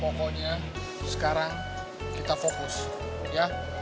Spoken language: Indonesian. pokoknya sekarang kita fokus ya